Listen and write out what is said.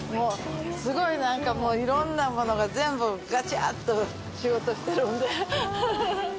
すごいなんかもういろんなものが全部ガチャーッと。